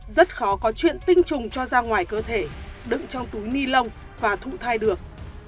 rất khó có chuyện tinh trùng cho ra ngoài cơ thể đựng trong túi ni lông và thụ thai được